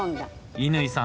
乾さん